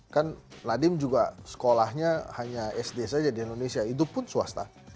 kan nadiem juga sekolahnya hanya sd saja di indonesia itu pun swasta